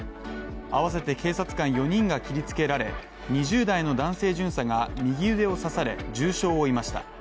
併せて警察官４人が切り付けられ、２０代の男性巡査が、右腕を刺され重傷を負いました。